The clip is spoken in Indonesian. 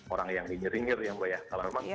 orang yang nyiringir yang bayah kalarmang